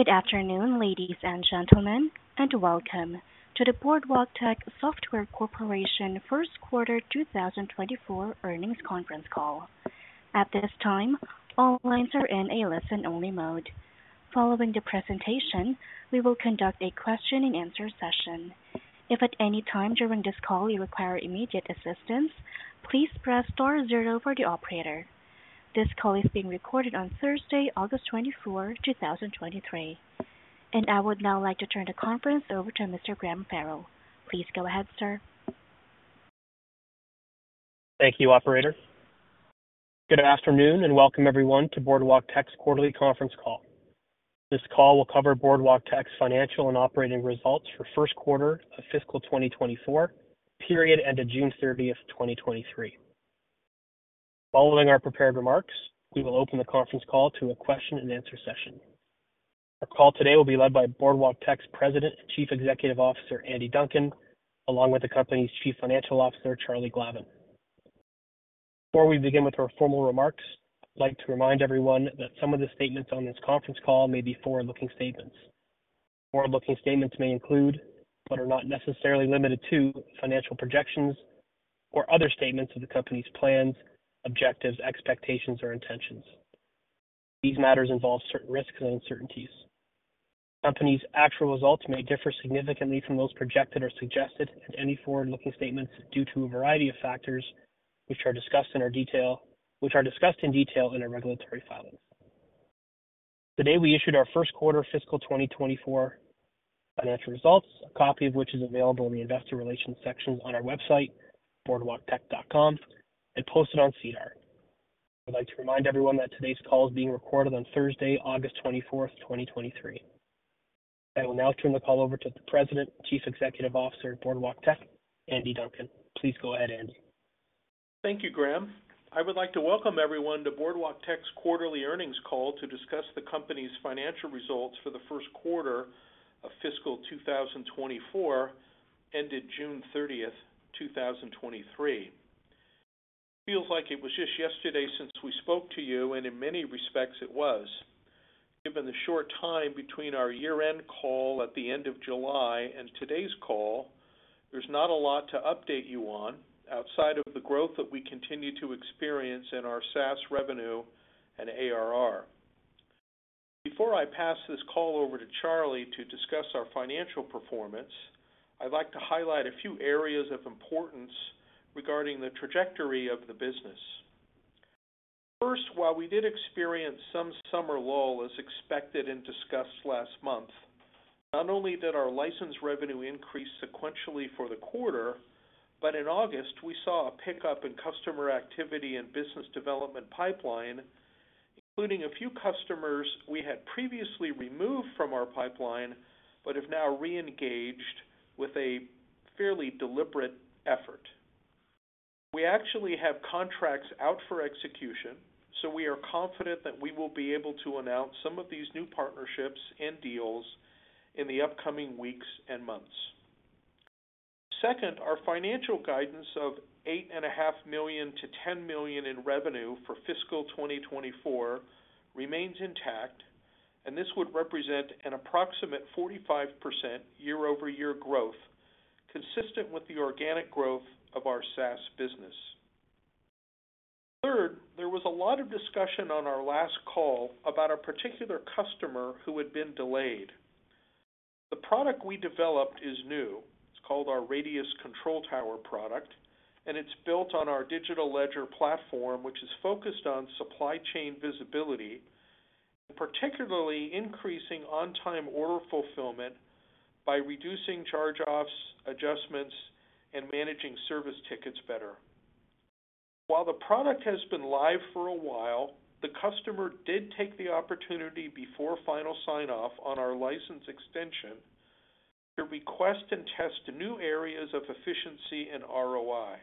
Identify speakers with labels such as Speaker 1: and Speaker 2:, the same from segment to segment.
Speaker 1: Good afternoon, ladies and gentlemen, and welcome to the Boardwalktech Software Corp. first quarter 2024 earnings conference call. At this time, all lines are in a listen-only mode. Following the presentation, we will conduct a question-and-answer session. If at any time during this call you require immediate assistance, please press star zero for the operator. This call is being recorded on Thursday, August 24, 2023. I would now like to turn the conference over to Mr. Graham Farrell. Please go ahead, sir.
Speaker 2: Thank you, operator. Good afternoon, and welcome everyone to Boardwalktech's quarterly conference call. This call will cover Boardwalktech's financial and operating results for first quarter of fiscal 2024, period end of June 30, 2023. Following our prepared remarks, we will open the conference call to a question-and-answer session. Our call today will be led by Boardwalktech's President and Chief Executive Officer, Andy Duncan, along with the company's Chief Financial Officer, Charlie Glavin. Before we begin with our formal remarks, I'd like to remind everyone that some of the statements on this conference call may be forward-looking statements. Forward-looking statements may include, but are not necessarily limited to, financial projections or other statements of the company's plans, objectives, expectations, or intentions. These matters involve certain risks and uncertainties. The company's actual results may differ significantly from those projected or suggested at any forward-looking statements due to a variety of factors, which are discussed in detail in our regulatory filings. Today, we issued our first quarter fiscal 2024 financial results, a copy of which is available in the investor relations section on our website, boardwalktech.com, and posted on SEDAR. I'd like to remind everyone that today's call is being recorded on Thursday, August 24th, 2023. I will now turn the call over to the President and Chief Executive Officer of Boardwalktech, Andy Duncan. Please go ahead, Andy.
Speaker 3: Thank you, Graham. I would like to welcome everyone to Boardwalktech's quarterly earnings call to discuss the company's financial results for the first quarter of fiscal 2024, ended June 30, 2023. Feels like it was just yesterday since we spoke to you, and in many respects, it was. Given the short time between our year-end call at the end of July and today's call, there's not a lot to update you on outside of the growth that we continue to experience in our SaaS revenue and ARR. Before I pass this call over to Charlie to discuss our financial performance, I'd like to highlight a few areas of importance regarding the trajectory of the business. First, while we did experience some summer lull as expected and discussed last month, not only did our license revenue increase sequentially for the quarter, but in August, we saw a pickup in customer activity and business development pipeline, including a few customers we had previously removed from our pipeline, but have now reengaged with a fairly deliberate effort. We actually have contracts out for execution, so we are confident that we will be able to announce some of these new partnerships and deals in the upcoming weeks and months. Second, our financial guidance of $8.5 million-$10 million in revenue for fiscal 2024 remains intact, and this would represent an approximate 45% year-over-year growth, consistent with the organic growth of our SaaS business. Third, there was a lot of discussion on our last call about a particular customer who had been delayed. The product we developed is new. It's called our Radius Control Tower product, and it's built on our digital ledger platform, which is focused on supply chain visibility, and particularly increasing on-time order fulfillment by reducing charge-offs, adjustments, and managing service tickets better. While the product has been live for a while, the customer did take the opportunity before final sign-off on our license extension to request and test new areas of efficiency and ROI.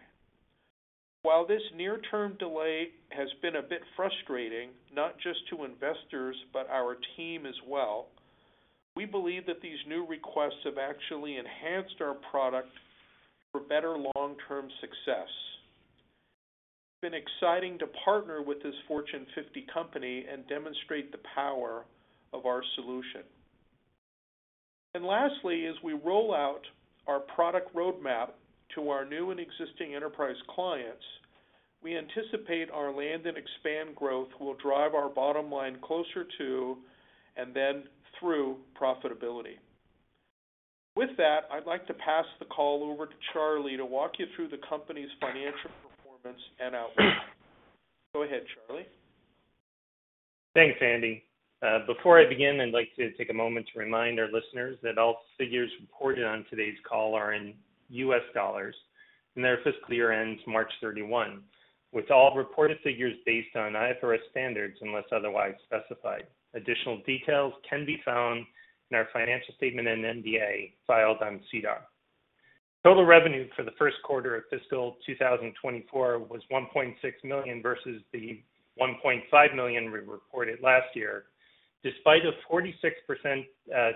Speaker 3: While this near-term delay has been a bit frustrating, not just to investors, but our team as well, we believe that these new requests have actually enhanced our product for better long-term success. It's been exciting to partner with this Fortune 50 company and demonstrate the power of our solution. Lastly, as we roll out our product roadmap to our new and existing enterprise clients, we anticipate our land and expand growth will drive our bottom line closer to and then through profitability. With that, I'd like to pass the call over to Charlie to walk you through the company's financial performance and outlook. Go ahead, Charlie.
Speaker 4: Thanks, Andy. Before I begin, I'd like to take a moment to remind our listeners that all figures reported on today's call are in U.S. dollars, and their fiscal year ends March 31, with all reported figures based on IFRS standards unless otherwise specified. Additional details can be found in our financial statement and MD&A filed on SEDAR. Total revenue for the first quarter of fiscal 2024 was $1.6 million versus the $1.5 million we reported last year, despite a 46%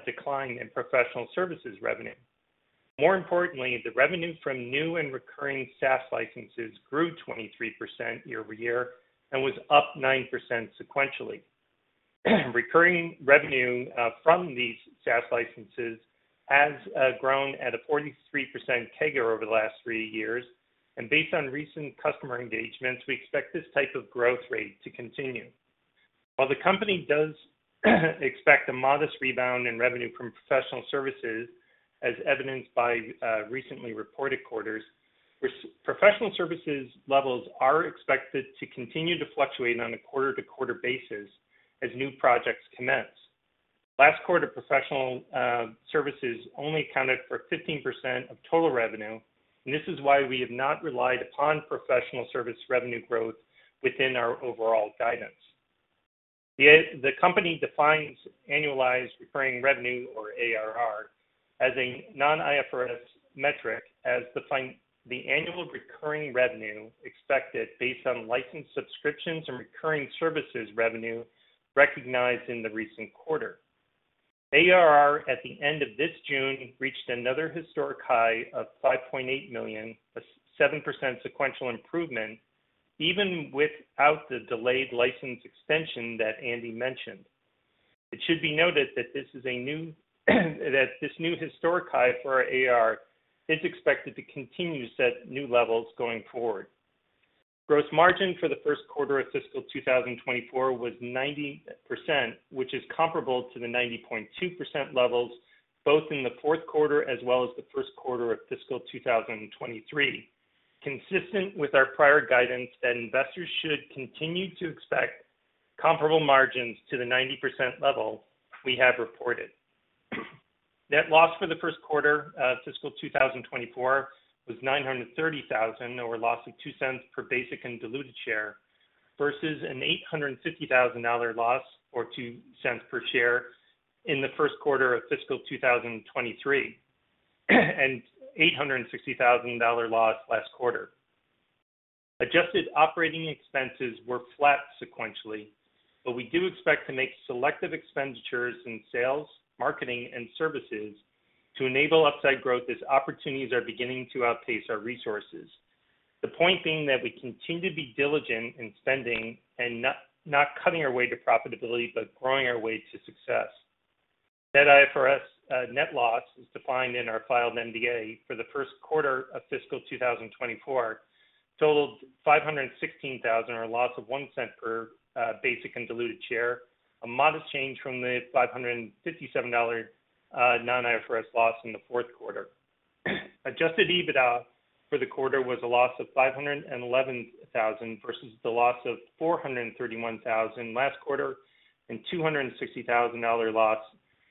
Speaker 4: decline in professional services revenue. More importantly, the revenue from new and recurring SaaS licenses grew 23% year-over-year and was up 9% sequentially. Recurring revenue from these SaaS licenses has grown at a 43% CAGR over the last three years, and based on recent customer engagements, we expect this type of growth rate to continue. While the company does expect a modest rebound in revenue from professional services, as evidenced by recently reported quarters, professional services levels are expected to continue to fluctuate on a quarter-to-quarter basis as new projects commence. Last quarter, professional services only accounted for 15% of total revenue, and this is why we have not relied upon professional service revenue growth within our overall guidance. The company defines annualized recurring revenue, or ARR, as a non-IFRS metric, as defined, the annual recurring revenue expected based on licensed subscriptions and recurring services revenue recognized in the recent quarter. ARR, at the end of this June, reached another historic high of $5.8 million, a 7% sequential improvement, even without the delayed license extension that Andy mentioned. It should be noted that this new historic high for our ARR is expected to continue to set new levels going forward. Gross margin for the first quarter of fiscal 2024 was 90%, which is comparable to the 90.2% levels, both in the fourth quarter as well as the first quarter of fiscal 2023, consistent with our prior guidance that investors should continue to expect comparable margins to the 90% level we have reported. Net loss for the first quarter, fiscal 2024 was $930,000, or a loss of $0.02 per basic and diluted share, versus an $850,000 loss or $0.02 per share in the first quarter of fiscal 2023, and $860,000 loss last quarter. Adjusted operating expenses were flat sequentially, but we do expect to make selective expenditures in sales, marketing, and services to enable upside growth as opportunities are beginning to outpace our resources. The point being that we continue to be diligent in spending and not, not cutting our way to profitability, but growing our way to success. Net IFRS net loss is defined in our filed MD&A for the first quarter of fiscal 2024, totaled $516,000, or a loss of $0.01 per basic and diluted share, a modest change from the $557,000 non-IFRS loss in the fourth quarter. Adjusted EBITDA for the quarter was a loss of $511,000 versus the loss of $431,000 last quarter and $260,000 loss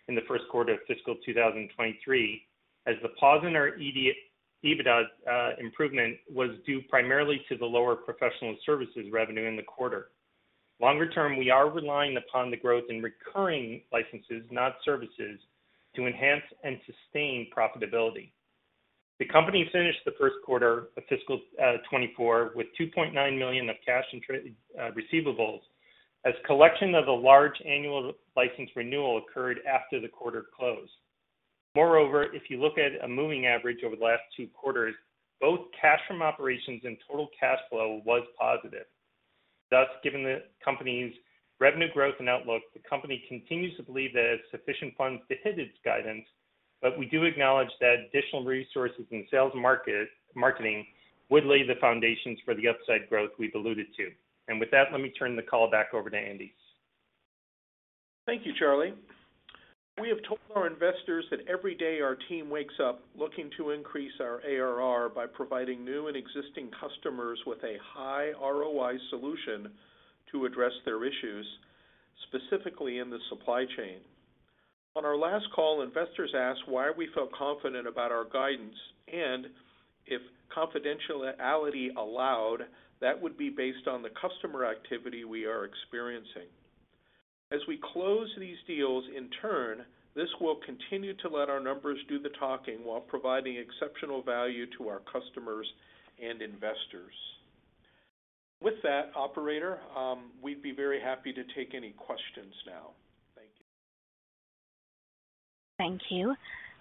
Speaker 4: in the first quarter of fiscal 2023, as the pause in our EBITDA improvement was due primarily to the lower professional services revenue in the quarter. Longer term, we are relying upon the growth in recurring licenses, not services, to enhance and sustain profitability. The company finished the first quarter of fiscal 2024 with $2.9 million of cash and trade receivables, as collection of a large annual license renewal occurred after the quarter closed. Moreover, if you look at a moving average over the last two quarters, both cash from operations and total cash flow was positive. Thus, given the company's revenue growth and outlook, the company continues to believe that it has sufficient funds to hit its guidance, but we do acknowledge that additional resources in sales market, marketing would lay the foundations for the upside growth we've alluded to. And with that, let me turn the call back over to Andy.
Speaker 3: Thank you, Charlie. We have told our investors that every day our team wakes up looking to increase our ARR by providing new and existing customers with a high ROI solution to address their issues, specifically in the supply chain. On our last call, investors asked why we felt confident about our guidance and if confidentiality allowed, that would be based on the customer activity we are experiencing. As we close these deals, in turn, this will continue to let our numbers do the talking while providing exceptional value to our customers and investors. With that, operator, we'd be very happy to take any questions now. Thank you.
Speaker 1: Thank you.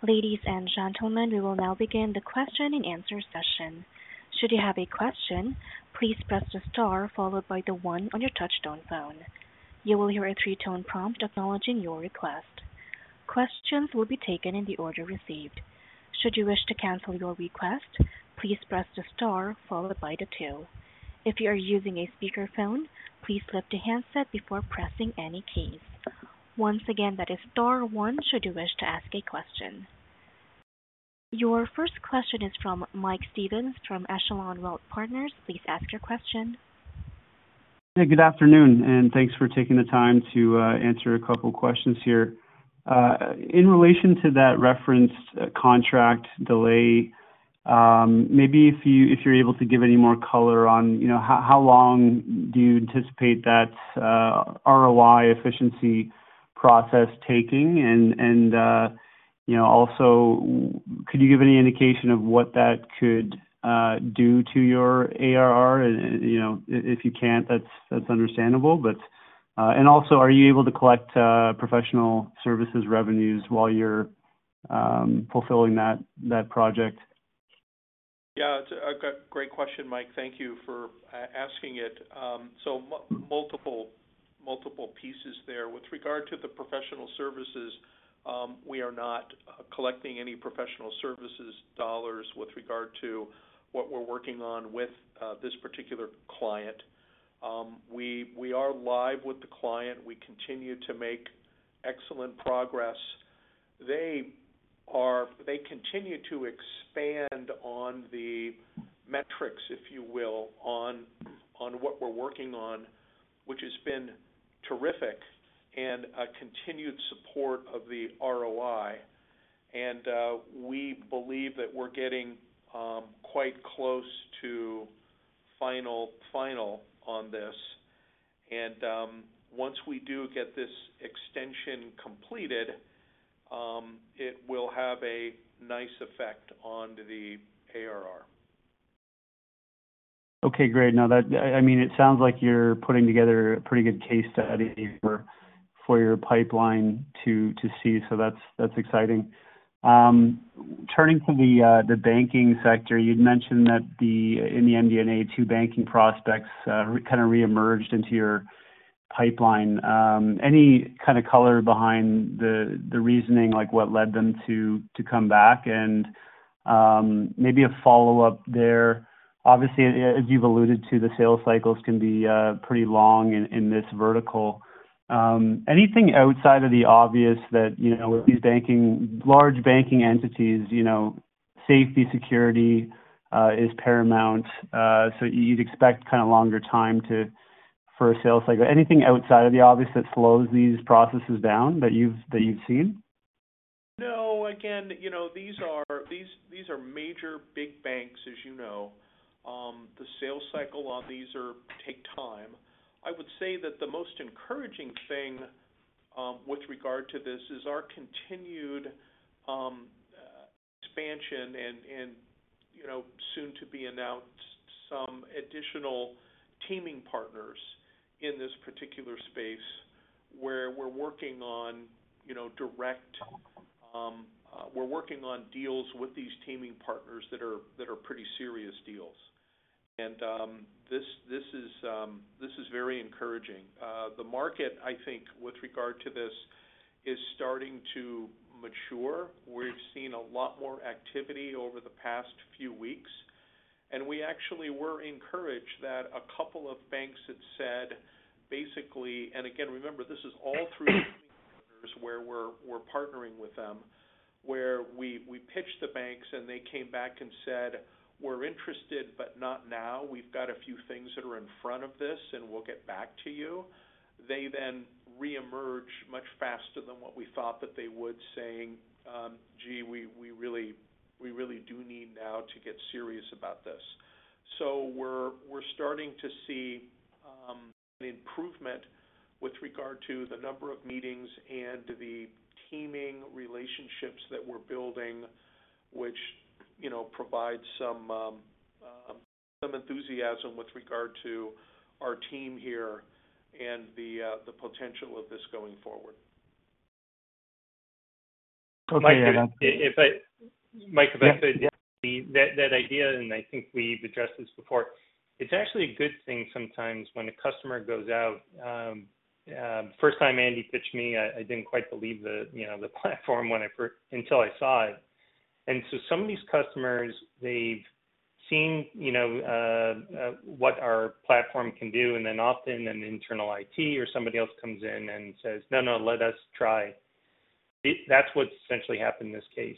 Speaker 1: Ladies and gentlemen, we will now begin the question and answer session. Should you have a question, please press the star followed by the one on your touch-tone phone. You will hear a three-tone prompt acknowledging your request. Questions will be taken in the order received. Should you wish to cancel your request, please press the star followed by the two. If you are using a speakerphone, please lift the handset before pressing any keys. Once again, that is star one, should you wish to ask a question. Your first question is from Mike Stevens from Echelon Wealth Partners. Please ask your question.
Speaker 5: Hey, good afternoon, and thanks for taking the time to answer a couple questions here. In relation to that referenced contract delay, maybe if you're able to give any more color on, you know, how long do you anticipate that ROI efficiency process taking? And, you know, also, could you give any indication of what that could do to your ARR? You know, if you can't, that's understandable. But... And also, are you able to collect professional services revenues while you're fulfilling that project? ...
Speaker 3: Yeah, it's a great question, Mike. Thank you for asking it. So multiple pieces there. With regard to the professional services, we are not collecting any professional services dollars with regard to what we're working on with this particular client. We are live with the client. We continue to make excellent progress. They continue to expand on the metrics, if you will, on what we're working on, which has been terrific and a continued support of the ROI. We believe that we're getting quite close to final on this. Once we do get this extension completed, it will have a nice effect on the ARR.
Speaker 5: Okay, great. Now, I mean, it sounds like you're putting together a pretty good case study for your pipeline to see. So that's exciting. Turning to the banking sector, you'd mentioned that in the MD&A, two banking prospects kind of reemerged into your pipeline. Any kind of color behind the reasoning, like what led them to come back? And maybe a follow-up there. Obviously, as you've alluded to, the sales cycles can be pretty long in this vertical. Anything outside of the obvious that, you know, with these large banking entities, you know, safety, security is paramount, so you'd expect kind of longer time for a sales cycle. Anything outside of the obvious that slows these processes down, that you've seen?
Speaker 3: No. Again, you know, these are major big banks, as you know. The sales cycle on these are take time. I would say that the most encouraging thing with regard to this is our continued expansion and, you know, soon to be announced, some additional teaming partners in this particular space, where we're working on, you know, direct. We're working on deals with these teaming partners that are pretty serious deals. And this is very encouraging. The market, I think, with regard to this, is starting to mature. We've seen a lot more activity over the past few weeks, and we actually were encouraged that a couple of banks had said, basically. And again, remember, this is all through partners, where we're partnering with them, where we pitched the banks, and they came back and said, "We're interested, but not now. We've got a few things that are in front of this, and we'll get back to you." They then reemerge much faster than what we thought that they would, saying, "Gee, we really do need now to get serious about this." So we're starting to see an improvement with regard to the number of meetings and the teaming relationships that we're building, which, you know, provide some enthusiasm with regard to our team here and the potential of this going forward.
Speaker 5: Okay, yeah, that-
Speaker 4: If I, Mike, if I could-
Speaker 5: Yeah, yeah.
Speaker 4: That idea, and I think we've addressed this before, it's actually a good thing sometimes when a customer goes out. First time Andy pitched me, I didn't quite believe the, you know, the platform until I saw it. And so some of these customers, they've seen, you know, what our platform can do, and then often an internal IT or somebody else comes in and says, "No, no, let us try." That's what essentially happened in this case.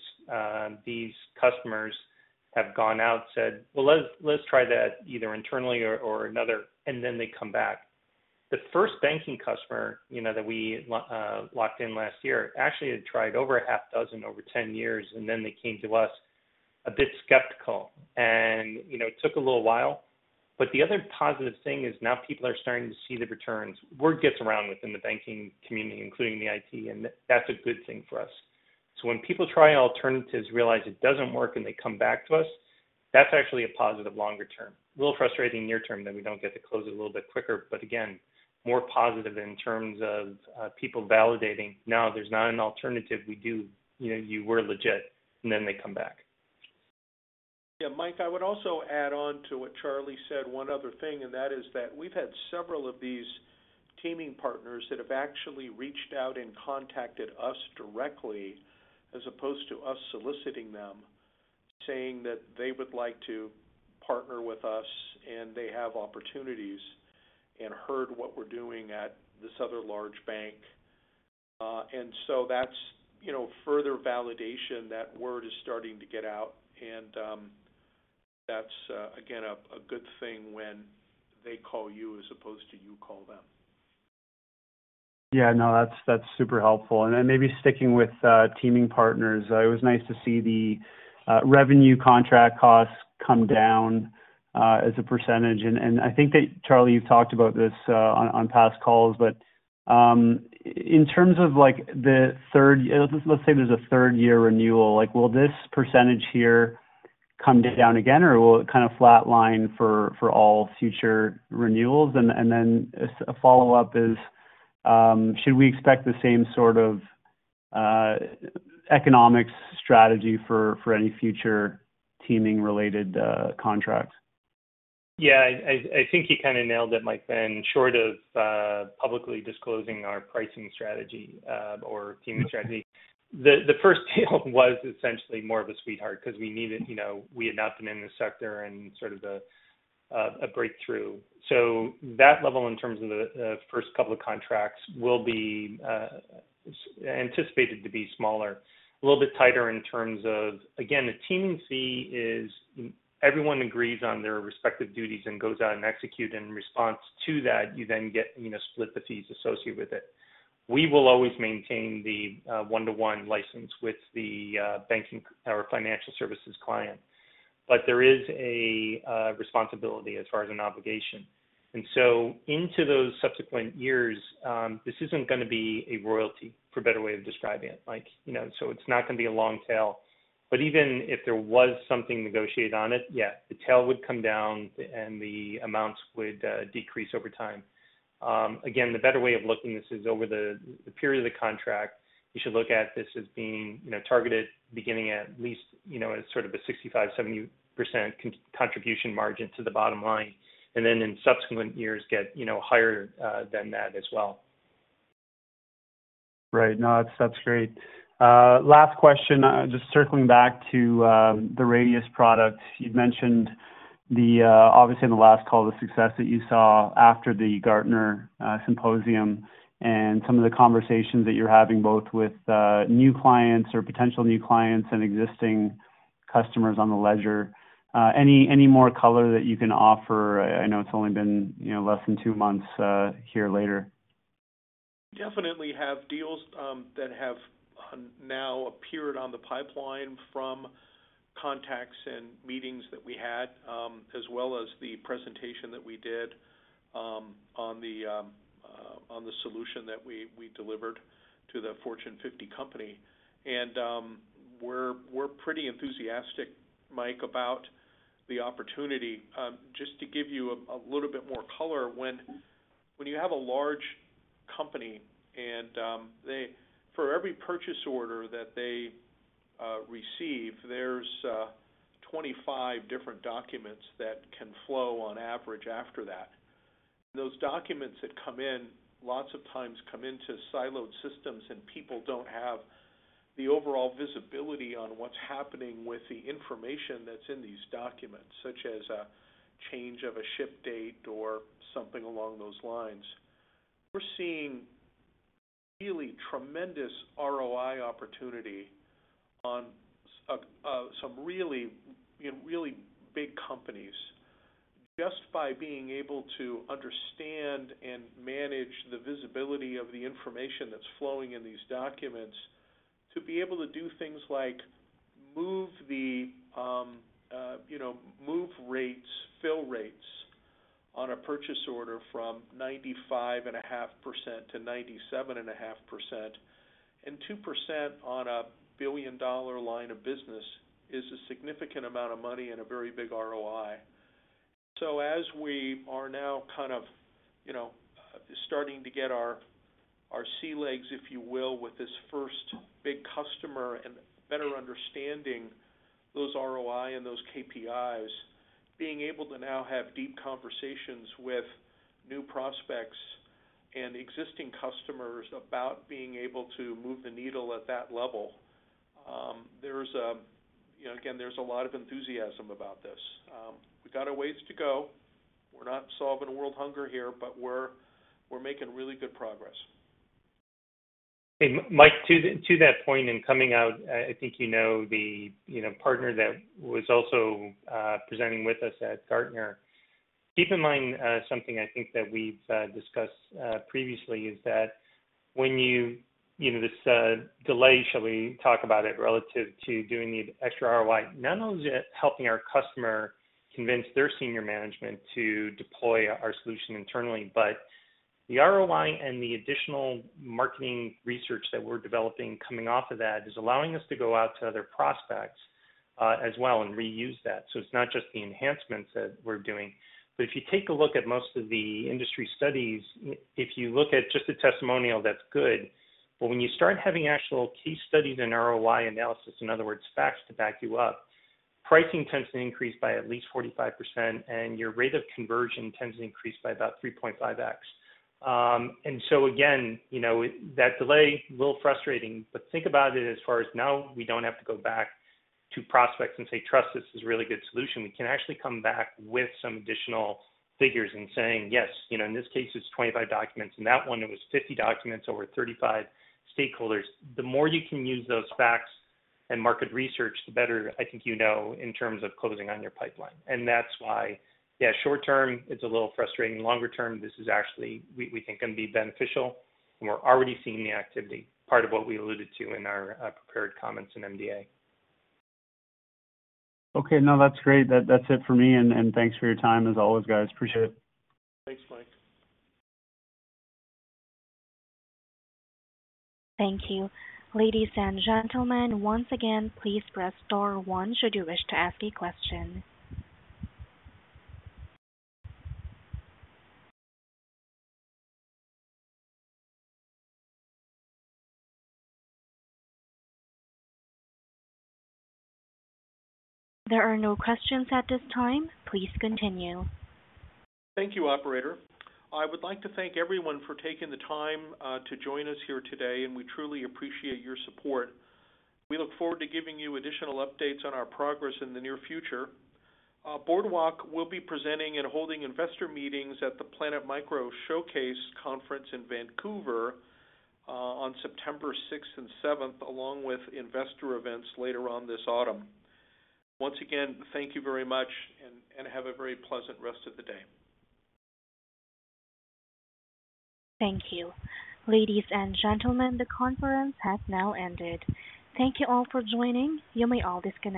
Speaker 4: These customers have gone out and said, "Well, let's try that either internally or another," and then they come back. The first banking customer, you know, that we locked in last year, actually had tried over six, over 10 years, and then they came to us a bit skeptical. You know, it took a little while, but the other positive thing is now people are starting to see the returns. Word gets around within the banking community, including the IT, and that's a good thing for us. So when people try alternatives, realize it doesn't work, and they come back to us, that's actually a positive longer term. A little frustrating near term, that we don't get to close it a little bit quicker, but again, more positive in terms of, people validating, "No, there's not an alternative. We do... You know, you were legit." And then they come back.
Speaker 3: Yeah, Mike, I would also add on to what Charlie said, one other thing, and that is that we've had several of these teaming partners that have actually reached out and contacted us directly, as opposed to us soliciting them, saying that they would like to partner with us, and they have opportunities and heard what we're doing at this other large bank. And so that's, you know, further validation that word is starting to get out, and that's again a good thing when they call you as opposed to you call them.
Speaker 5: Yeah, no, that's super helpful. And then maybe sticking with teaming partners, it was nice to see the revenue contract costs come down as a percentage. And I think that, Charlie, you've talked about this on past calls, but in terms of like the third-year renewal, let's say there's a third-year renewal, like, will this percentage here come down again, or will it kind of flatline for all future renewals? And then a follow-up is, should we expect the same sort of economics strategy for any future teaming related contracts?
Speaker 4: Yeah, I think you kind of nailed it, Mike. Then short of publicly disclosing our pricing strategy or teaming strategy, the first deal was essentially more of a sweetheart because we needed, you know, we had not been in the sector and sort of a breakthrough. So that level, in terms of the first couple of contracts, will be anticipated to be smaller, a little bit tighter in terms of... Again, the teaming fee is everyone agrees on their respective duties and goes out and execute in response to that, you then get, you know, split the fees associated with it. We will always maintain the one-to-one license with the banking or financial services client, but there is a responsibility as far as an obligation. And so into those subsequent years, this isn't going to be a royalty, for a better way of describing it. Like, you know, so it's not going to be a long tail, but even if there was something negotiated on it, yeah, the tail would come down and the amounts would decrease over time. Again, the better way of looking this is over the period of the contract. You should look at this as being, you know, targeted, beginning at least, you know, as sort of a 65%-70% contribution margin to the bottom line, and then in subsequent years get, you know, higher than that as well.
Speaker 5: Right. No, that's, that's great. Last question, just circling back to the Radius product. You'd mentioned the, obviously in the last call, the success that you saw after the Gartner Symposium and some of the conversations that you're having, both with new clients or potential new clients and existing customers on the ledger. Any, any more color that you can offer? I know it's only been, you know, less than two months here later.
Speaker 3: Definitely have deals that have now appeared on the pipeline from contacts and meetings that we had, as well as the presentation that we did on the solution that we delivered to the Fortune 50 company. We're pretty enthusiastic, Mike, about the opportunity. Just to give you a little bit more color, when you have a large company and they, for every purchase order that they receive, there's 25 different documents that can flow on average after that. Those documents that come in, lots of times come into siloed systems, and people don't have the overall visibility on what's happening with the information that's in these documents, such as a change of a ship date or something along those lines. We're seeing really tremendous ROI opportunity on some really, you know, really big companies. Just by being able to understand and manage the visibility of the information that's flowing in these documents, to be able to do things like move the, you know, move rates, fill rates on a purchase order from 95.5%-97.5%, and 2% on a billion-dollar line of business is a significant amount of money and a very big ROI. So as we are now kind of, you know, starting to get our sea legs, if you will, with this first big customer and better understanding those ROI and those KPIs, being able to now have deep conversations with new prospects and existing customers about being able to move the needle at that level. There's a, you know, again, there's a lot of enthusiasm about this. We've got a ways to go. We're not solving world hunger here, but we're making really good progress.
Speaker 4: And Mike, to that point and coming out, I think you know, the, you know, partner that was also presenting with us at Gartner. Keep in mind, something I think that we've discussed previously is that when you, you know, this delay, shall we talk about it relative to doing the extra ROI? Not only is it helping our customer convince their senior management to deploy our solution internally, but the ROI and the additional marketing research that we're developing coming off of that, is allowing us to go out to other prospects, as well, and reuse that. So it's not just the enhancements that we're doing, but if you take a look at most of the industry studies, if you look at just a testimonial, that's good. But when you start having actual case studies and ROI analysis, in other words, facts to back you up, pricing tends to increase by at least 45%, and your rate of conversion tends to increase by about 3.5x. And so again, you know, that delay, a little frustrating, but think about it as far as now, we don't have to go back to prospects and say, "Trust us, this is a really good solution." We can actually come back with some additional figures and saying, "Yes, you know, in this case it's 25 documents, and that one it was 50 documents over 35 stakeholders." The more you can use those facts and market research, the better I think you know, in terms of closing on your pipeline. And that's why, yeah, short term, it's a little frustrating. Longer term, this is actually, we think, going to be beneficial, and we're already seeing the activity, part of what we alluded to in our prepared comments in MD&A.
Speaker 5: Okay, no, that's great. That's it for me, and thanks for your time as always, guys. Appreciate it.
Speaker 3: Thanks, Mike.
Speaker 1: Thank you. Ladies and gentlemen, once again, please press star one, should you wish to ask a question. There are no questions at this time. Please continue.
Speaker 3: Thank you, operator. I would like to thank everyone for taking the time to join us here today, and we truly appreciate your support. We look forward to giving you additional updates on our progress in the near future. Boardwalk will be presenting and holding investor meetings at the Planet MicroCap Showcase conference in Vancouver, on September 6th and 7th, along with investor events later on this autumn. Once again, thank you very much and have a very pleasant rest of the day.
Speaker 1: Thank you. Ladies and gentlemen, the conference has now ended. Thank you all for joining. You may all disconnect.